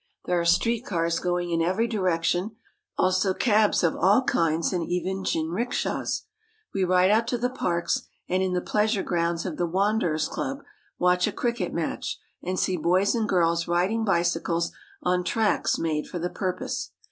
There are street cars going in every direction ; also cabs of all kinds, and even jinrikshas. We ride out to the parks, and in the pleasure grounds of the Wanderers' Club watch a cricket match, and see boys and girls riding bicycles on I tracks made for the purpose.